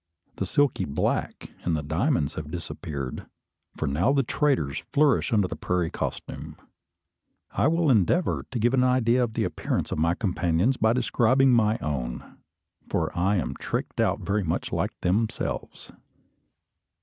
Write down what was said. The silky black and the diamonds have disappeared, for now the traders flourish under the prairie costume. I will endeavour to give an idea of the appearance of my companions by describing my own; for I am tricked out very much like themselves.